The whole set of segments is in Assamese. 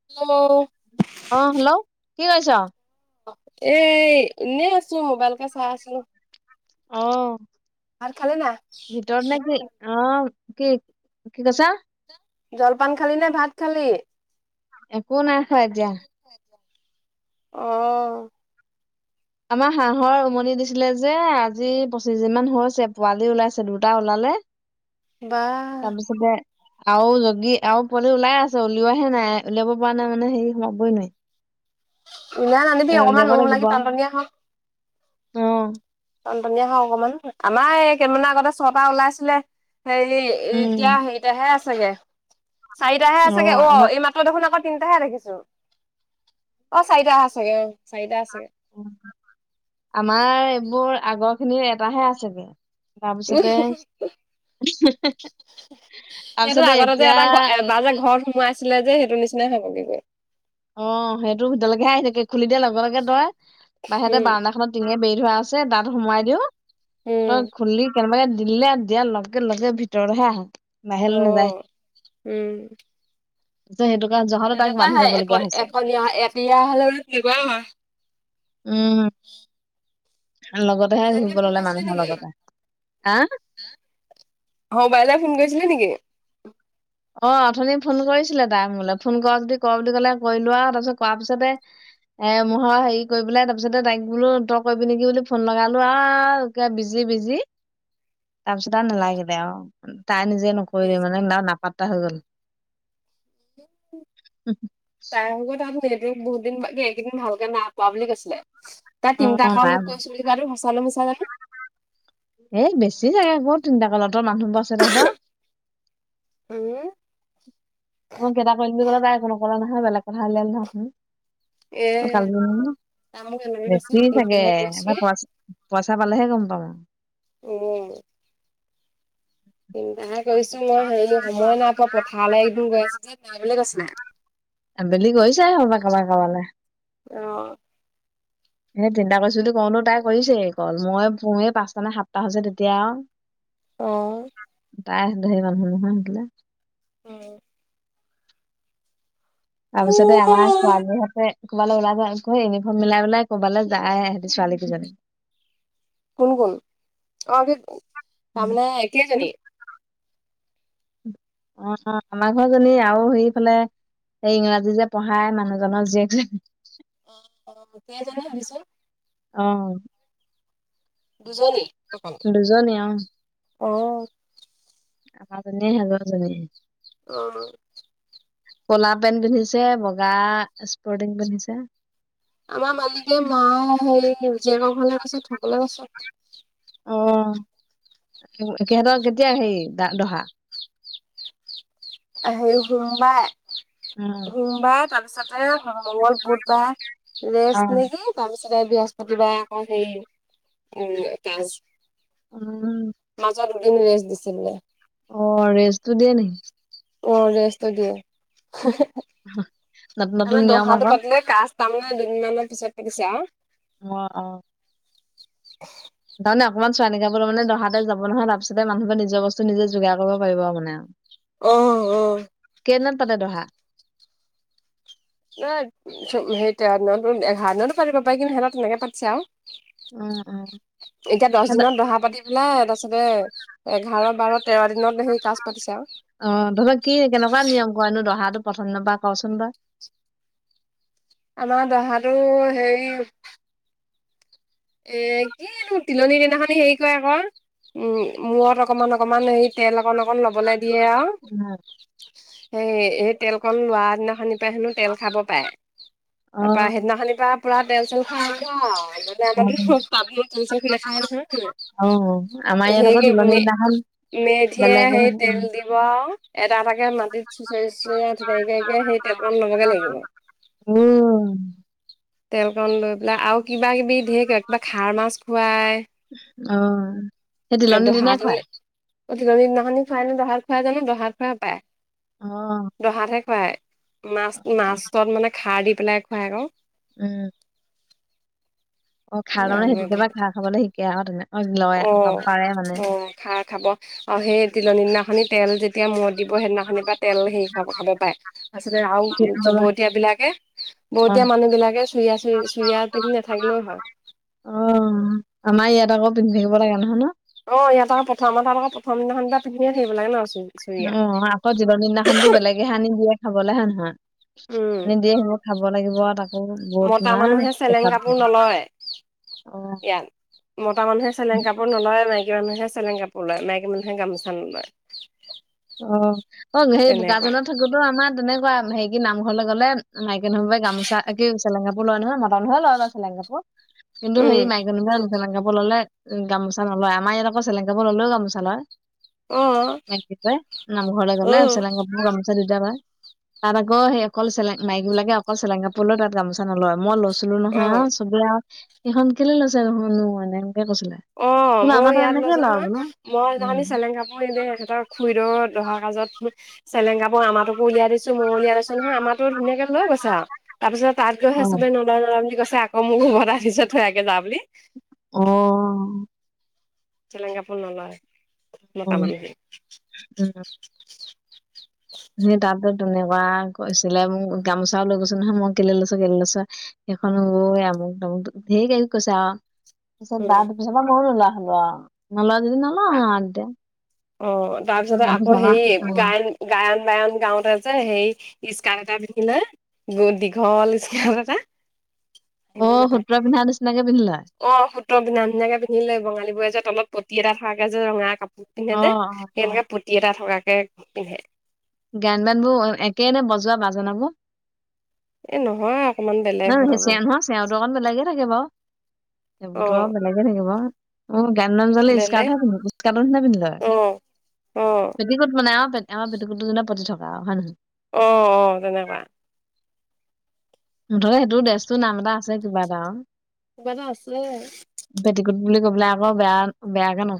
[unintelligible] অ' হেল্ল', কি কৰিছ? এ, এনেই আছোঁ, মোবাইলকে চাই আছিলোঁ। অ', খালি নাই ভিতৰত নে কি? অ', কি, কি কৈছ? জলপান খালি নে ভাত খালি? একো নাই খা এতিয়া। অ'। আমাৰ হাঁহৰ উমনি দিছিলে যে আজি পঁচিছ দিনমানান হৈছে, পোৱালি ওলাইছে, দুটা ওলালে। [inaudible] তাৰপিছতে আৰু যগি আৰু পোৱালি ওলাই আছে, উলওৱাহে নাই, উলিয়াব পৰা নাই মানে হেৰি সোমাবই নোৱাৰি। উলিয়াই নানিবি, এ অকনমান উলিয়াব ওম লাগিব লাগি টানটনীয়া হওক। অ'। টনটনীয়া হওক অকমান। আমাৰ এই কেইদিনমান আগতে ছটা ওলাইছিলে হেৰি এতিয়া উম হেইটাহে আছোগে, চাৰিটাহে আছেগে, অ' এই মাত ত' দেখোন আকৌ তিনটাহে দেখিছোঁ, অ' চাৰিটা চাগে অ' চাৰিটা আছে। আমাৰ এইবোৰ আগৰখিনিৰ এটাহে আছেগে। উহ তাৰপিছতে সেইটো তাৰপিছতে আগতেতে এতিয়া এটা এবাৰ যে ঘৰত সোমোৱাইছিলে যে সেইটো নিচিনাই ভাবগিগৈ। অ', সেইটো ভিতৰলৈকেহে আহি থাকে খুলি দিয়ে লগে লগে তই বাহিতে উম বাৰনাখনত টিঙে বেৰি ধৰা আছে তাত সোমোৱাই দিওঁ উম তই খুলি কেনেবাকে দিলে আৰু দিয়া লগে লগে ভিতৰহে আহে। বাহিৰলৈ নাযায় অ', উম। না সেইটো কাৰণ জাত তাত মানুহ যাব লাগ এখনীয়া এতিয়া হ'লেও [unintelligible] উম। লগতেহে ইজনীয়ে ঘূৰিব ফোন ল'লে কৰিছিলে মানুহৰ নেকি লগতে হা। হ বাইলাই ফোন গৈছিলে নেকি? অ', অথনি ফোন কৰিছিলে তাই মোলে ফোন কৰা যদি কৰ বুলি ক'লে কৰিলোৱা আৰু তাৰপিছত কৰ পিছতে এ মোহৰ হেৰি কৰিব পেলাই তাৰপিছতে তাইক বোলো তই কৰিবি নেকি বুলি ফোন লগালো আৰু কে বিজি বিজি। তাৰপিছত আৰু অ নালাগে দে আৰু তাই নিজে নকৰিলে প্লিজ। মানে নাপাত তাহল তাইৰ লগগত ভট বহুত দিন এইকেইদিন ভালকে নাপোৱা বুলি কৈছিলে। তাৰ অ তিনিটা কল নাই কৈছো বুলি কোৱা তটো সঁচালো মিছা জানো। এ বেছি জাগে আকৌ তিনটা কলতৰ মানুহবোৰ আছে তহাঁতৰ। উম। মই গেটা কৰি বুলি ক'লে তাই একোনো ক নহয় বেলেগ কথা হ'ল এ নকয়াল তাই মোক এনেকে কৈছে বেছি চাগে তিনটাহে কৰিছো আৰ পইচা পইচা পালেহে গম পাম। উম। চিন্তাহে কৰিছো মই হেৰি সময় নাই পোৱা পথাৰলৈ একদূৰ গৈ আছোঁ যে ভাগিবলৈ কৈছিলে। আবেলি গৈছে ক'ব কাৰবাক কাৰবালৈ। অ'। এ চিন্তা কৰিছো বুলি কওঁনো তাই কৰিছে কল মই পেই পাঁচটা নে সাতটা হৈছে তেতিয়া আৰু। অ'। তাই ধেৰ মানুহ নহয় সিলে। উম। তাৰপিছতে আমাৰ ছোৱালীহঁতে ক'ৰবাল ওলাই যায় ইউনিফৰ্ম মিলা মিলাই ক'বালু যায় সিহঁতি ছোৱালীকেইজনী। কোন কোন অ', কি উম তাৰমানে কেইজনী? অ', আমাৰ ঘৰজনী আৰু সেইফালে সেই ইংৰাজী যে পঢ়াই মানুহজনক যি অ', ক' জানে ভাবিচোন। অ'। দুজনী দুজনী অ অ'। [unintelligible] অ'। ক'লা পেণ্ট পিন্ধিছে বগা স্পৰ্টিং পিন্ধিছে। আমাৰ মালিকে মা সেই জীয়েকৰ ঘৰলে গৈছে থ'বলে পাছত অ', সিহঁতৰ কেতিয়া হেৰি দ দহা? [unintelligible] উম, সোমবাৰে তাৰ পিছতে মংগল বুধবাৰে অ ৰেষ্ট নেকি। তাৰপিছতে বৃহস্পতিবাৰে আকৌ হেৰি উম, কাজ। উম, মাজত দুদিন ৰেষ্ট দিছে বোলে। অ', ৰেষ্টটো দিয়ে নেকি? অ', ৰেষ্টটো দিয়ে, নতুন নতুন আমাৰ নিয়ম দহাটো আকৌ পাতিলে কাজ। তাৰমানে দুদিনমানৰ পিছত পাতিছে আউ। অ', অ [inaudible] তাৰমানে অকণমান চোৱ নিকাবোৰ মানে দহাতে যাব নহয় তাৰপিছতে মানুহবোৰ নিজৰ বস্তু নিজে যোগাৰ কৰিব পাৰিব আও মানে অ', অ কেইদিনত পাতে দহা? সেই হেৰি তেৰ দিনটো এঘাৰ দিনটো পাতিব পাৰিব পাই কিন্তু সেহত তেনেকে পাতিছে আও। অ অ এতিয়া দহ দিনত দহা পাতি পেলাই তাৰ পিছতে এঘাৰ বাৰ তেৰ দিনত সেই কাজ পাতিছে আও। অ', তহঁতৰ কি কেনেকুৱা নিয়ম কৰেনো দহাটো প্ৰথম দিন পা কচোন তই। আমাৰ দহাটো হেৰি এ, কি নো তিলনীৰ দিনাখনি হেৰি কৰে আক। উম, মূৰত অকমান অকমান হেৰি তেল অকন অকণ লবলে দিয়ে আও উম, সেই এই তেল কন লোৱাৰ দিনা সনি পাই হেনো তেল খাব পাৰে তাৰ পৰা অ', সিদিনাখনিৰ পৰা পুৰা তেল-চেল খোৱা আৰম্ভ আৰু ইমা অ', [unintelligible] অ', আমাৰ ইয়াত আকৌ তুলনি দিনাখন মেধে বেলেগ আহ হেই হয়। তেল উম। দি [unintelligible] এটা এটাকে মাটিত চুচৰি চুঁচৰি আৰু আঁঠু কাঢ়ি কাঢ়ি সেই তেলকন ল'বগে লাগিব। উম, তেলকণ লৈ পেলাই আৰু কিবা কিবি ঢেৰ কিবা কিবা খাৰ মাছ খুৱায় অ', সেই এ তিলনী দিনাই দহাতে নে খুৱাই অ', তিলনি দিনাখনি খোৱাই নে দহাত খোৱাই জানো দহাত খোৱাই হপায়। অ', দহাতহে খুৱায় মাছ অ', মাছত মানে খাৰ দি পেলাই খুৱায় আকৌ। উম, অ খাৰ তাৰমানে নানো সেইটো এইবোৰ কেতিয়াবা খাৰ খাবলে শিকে আও তেনে লয় অ পা পাৰে মানে অ', খাৰ খাব। অ সেই তিলনীৰ দিনাখনি তেল যেতিয়া মূৰত দিব সেইদিনাখনিৰ পৰা তেল হেৰি খাব খাব পাৰে। তাৰপিছতে আও ঠিক বাবা, চবতীয় বিলাকে বৰতীয়া অ'। মানুহ বিলাকে চুৰিয়া চুৰিয়া পিন্ধি নাথাকিলেও হয়। অ', আমাৰ ইয়াত আকৌ পিন্ধি থাকিব লাগে নহয় ন'। অ', ইয়াত আকৌ প্ৰথম আমাৰ তাত আকৌ প্ৰথম দিনাখন পিন্ধিয়ে থাকিব লাগে ন? চুৰিয়া অ আকৌ জীৱন দিনাখন টো বেলেগেহে আনি দিয়ে খাবলে হে হয় নহয় উম আনি দিয়ে সেই খাব লাগিব আও তাক মতা মানুহে চেলেং কাপোৰ নলয়। অ ইয়াত মতা মানুহে চেলেং কাপোৰ নলয় মাইক মাইকী মানুহে চেলেং কাপোৰ লয় মাইকী মানুহে গামোচা লয় অ', অ', সেই বোকাজানত থাক তো তো আমাৰ তেনেকুৱা হেৰি কি নামঘৰলে গ'লে মাইকি মানুহবোৰে গামোচা এ কি চেলেং কাপোৰ লয় নহয়, মতা মানুহেও লয় বাৰু চেলেং কাপোৰ। কিন্তু উম, সেই মাইকী মানুহে চেলেং কাপোৰ ল'লে গামোচা নলয়, আমাৰ ইয়াত আকৌ চেলেং কাপোৰ ল'লেও গামোচা লয়। অঁ! নমঘৰলে গ'লে চেলেং কাপোৰ গামোচা দুইটা লয়। তাত আকৌ সেই অকল চেলেং মাইকী বিলাকে অকল চেলেং কাপোৰ লয় তাত গামোচা নলয়, মই লৈছ লৈছিলো নহয়, অ', সবে আও সেইখন কেলে লৈছে দেখনো ম এ এনেকে কৈছিলে! অঁ বোলো মইও আমাৰ তাত ইয়াত এনেকে লৈছোঁ লয় নহয়, বোলো মই উম। সেইদিনাখনি চেলেং কাপোৰ এনে এখেতৰ খুুৰীদ'ৰ দহা কাজত চেলেং কাপোৰ আমাটোকো উলিয়াই দি ছো মইও উলিয়াই লৈছো নহয়, আমাৰটো ধুনীয়াকে লৈ গৈছে আও, তাৰপিছত তাত গৈহে অ', চবে ন নলয় নলয় বুলি কৈছে, আকৌ মোক উভতাই দিছে থৈ আহগে যা বুলি। অঁ! চেলেং কাপোৰ নলয় মতা উম, মানুহে। উম! সেই তাতে তেনেকুৱা কৈছিলে মোক গামোচাও লৈ গৈছোঁ নহয় মই কেলে লৈছা কেলে লৈছা সেইখন ঐ আমুক তামুক ঢেৰ কিবা কিবি কৈছে আও! তাৰপিছত [unintelligible] উম, পিছৰ পৰা ময়ো নোলোৱা হলোঁ আও, নোলোৱা যদি নলওঁ আও তেতিয়া। অ' তাৰপিছতে আকৌ গামোচাখন হেৰি গায়ন গায়ন বায়ন গাওঁতে যে সেই স্কাৰ্টএটা পিন্ধিলে গ দীঘল স্কাৰ্ট এটা। আহিবও অ' নাপায় সূত্ৰ পিন্ধা নিচিনাকে পিন্ধি লয়! অ সূত্ৰ পিন্ধা নিচিনাকে পিন্ধিলে বঙালিবোৰে যে তলত পতি এটা থকাকে যে ৰঙা কাপোৰ অ', পিন্ধে যে, অ', অ', সেনেকে পতি এটা থকাকে পিন্ধে। গায়েন বায়েন বোৰ একেই নে বজোৱা বাজনাবোৰ? এই নহয় আ নয় হে চেঙটো অকন বেলেগে থাকে বাও, সেইবোৰ অ টো আও বেলেগে থাকিব। অঁ গায়েণ বয়েন যোৱালে বেলেগ স্কাৰ্টহে পিন্ধে স্কাৰ্টৰ নিচিনা পিন্ধি লয়। অঁ। পেটিকোট বনাই আও, আমাৰ পেটিকোটটো যেনে পতি থকা আও। হয় নহয়? অঁ অঁ'তেনেকুৱা। মুঠতে সেইটো ডেছটোৰ নাম এটা আছে কিবা এটা আও! কিবা এটা আছে! পেটিকুট বুলি কবলে আকৌ বেয়া বেয়াকে ন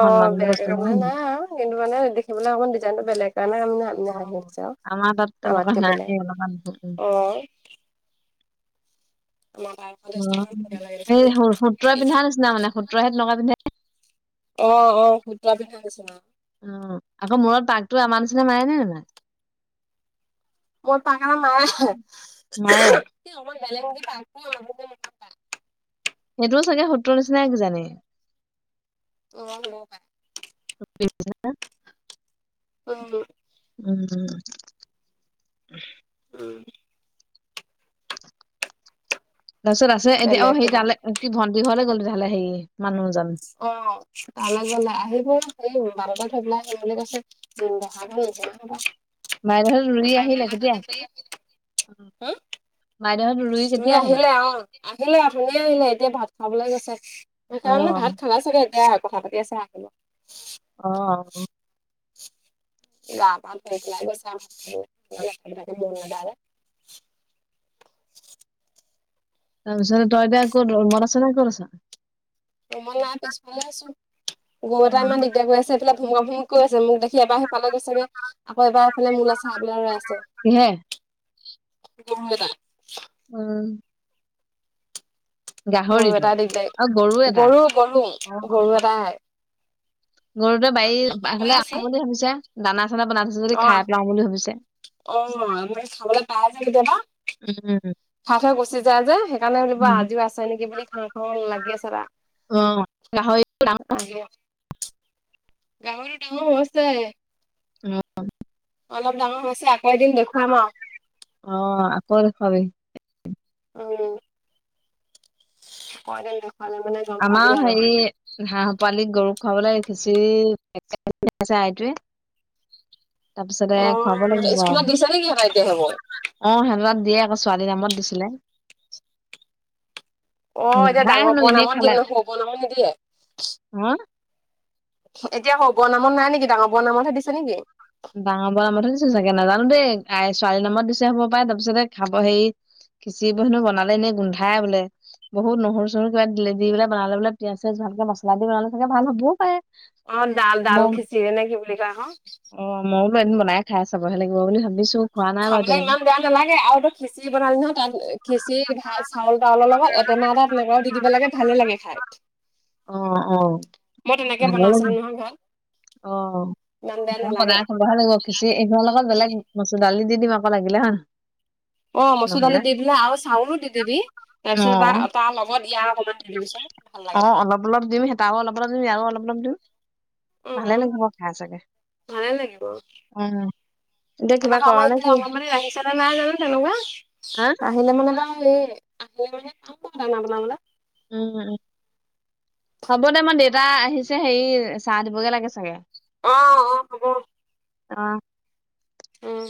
অঁ বেয়াকে কবলে নাই আও, কিন্তু মানে দেখিবলে অকমান ডিজাইনটো বেলেগ কাৰণে হাঁহি উঠছে আও! আমাৰ তাত তেনেকুৱা [inaudible] অ [unintelligible] অ' বৰ ধুনীয়া লাগে এই দেখিবলৈ। সুত্ৰই পিন্ধা নিচিনা মানে সুত্ৰই হে তেনেকুৱা পিন্ধে। অঁ অঁ সূত্ৰই পিন্ধা নিচিনা। উম, আকৌ মূৰত পাকতো আমাৰ নিচিনা মাৰে নে নেমাৰে? মোৰত পাক এটা মাৰে মাৰে [unintelligible] সেইটোও চাগে সূত্ৰৰ নিচিনাই কিজানি? অ সেনেকুৱা। [unintelligible] উম। উম উম উম! তাৰপিছত আছে এতিয়া বেলেগ অ কিবা। তালে কি ভন্তি ঘৰলে গ'ল তেতিয়া হ'লে সেই মানুহজন অ' তালৈ গলে আহিব সেই বাৰত থবেলাই আহ বুলি কৈছে! [unintelligible] বাইদেউ হত ৰুই নাপাই বুলি আহিলে কোৱা কেতিয়া তাতে সি বাইদেউ হত ৰুই আহিলে অ' আহিলে অথনি‌য়েই আহিলে এতিয়া ভাত খাবলৈ গৈছে! অ সেইকাৰণে ভাত খালা চাগে আৰু কথা পাতি আছে! আহ' অ গাম আৰু থকছ [unintelligible] তাৰ পিছত তই এতিয়া কত ৰুমত আছ নে ক'ত আছ? ৰুমত নাই পিছফালে আছো গৰু এটা ইমান দি গৈ আছে এফালে ভুমা ভুমি কৰি আছে মোক দেখিবাৰ সিফালে গৈছে আকৌ এবাৰ এইফালে মোলৈ চাই আছে। কিহে খাই পেলাই ৰয় আছোঁ। উম গৰু গাহৰিটো এটা আৰু দিগদাৰি এটা গৰু গৰু গৰু এটাই গৰুতে আহো আহো কৈ বাৰীলে আছে আহো বুলি ভাবিছে দানা চানা বনাই থৈছো যদি অ খাই পেলাও বুলি ভাবিছে। অ আমাৰ ইয়াত খাবলে পাই যে কেতিয়াবা। খাই থৈ গুচি যায় যে সেইকাৰণে কিবা উম আজিও আছে নেকি বুলি খাওঁ খাওঁ লাগি আছে তাৰ অ [unintelligible] গাহৰি ডাঙৰ হৈছে উম অলপ ডাঙৰ হৈছে আকৌ এদিন দেখুৱাম অ আকৌ দেখুৱাবি আৰু উম কই তে দেখালে মানে গম পাবি আমাৰ আৰু হেৰি হাঁহ পোৱালি গৰুক খুৱাবলৈ শিকিছি [unintelligible] অ লাগিব আৰু স্কুলত দিছে নেকি চৰকাৰে এতিয়া সেই বোৰ? অ সেনুৱাত দিয়ে আকৌ ছোৱালীৰ নামত দিছিলে অ এতিয়া গোন্ধাই ডাঙৰ হেনো বোৰৰ এনেই নামত দিয়ে মানে সৰু বৰ নামত নিদিয়ে হম এতিয়া সৰু বোৰ নামত নাই নেকি ডাঙৰ বোৰ নামতহে দিছে নেকি? ডাঙৰ বোৰৰ নামতহে দিছে চাগে নাজানো দেই আ ছোৱালীৰ নামত দিছে হ'ব পাই তাৰপিছতে খাব হেৰি খিচিৰি বোৰ বনালে এনেই গোন্ধাই বোলে বহুত নহৰু চহৰু কিবা কিবি দি পেলাই বনালে বলে পিয়াজ চিয়াজ ভালকে মচলা দি বনালে চাগে ভাল হ'বও পাৰে। অ ডাল ডাল মই খিচিৰি নেকি বুলি কয় আকৌ অ মইও বলো এদিন বনাই খাই চাবহে লাগিব বুলি ভাবিছো খোৱা নাই বাৰু খাবলৈ ইমান এতিয়ালৈকে বেয়া নালাগে আৰু তো খিচিৰি বনালে নহয় তাত খিচিৰি ভাত চাউল তাউলৰ লগত এটেমাহ এটা তেনেকাও দি দিব লাগে ভালে লাগে খাই অ অ মই তেনেকে ভালে লাগে বনাইছিলো নহয় ঘৰত অ ইমান বেয়া মইও নালাগে বনাই খাব ভাল লাগিব খিচিৰি এইহৰ লগত বেলেগ মাছুৰ দাল দি দিম আকৌ লাগিলে হে অঁ মচুৰ দালি দি পেলাই আৰু চাউলো দি দিবি তাৰপিছত তাৰ অ', তাৰ লগত ইয়াৰ অকণমান দি দিবিচোন ভাল লাগে অ খাই অলপ অলপ দিম হেতাও অলপ অলপ দিম ইয়াৰো অলপ অলপ দিম ভালে উম লাগিব খাই চাগে, ভালে লাগিব উম। এতিয়া কিবা কৰ নে কি? চে নে নাই জানো, তেনেকুৱা? আ আহিলে মানে তাৰ এই, [unintelligible] দানা বনাবলে। উম, উম। হ'ব দে, মই দেউতা আহিছে, হেৰি চাহ দিবগে লাগে চাগে। অ', অ', হব। অ'। উম।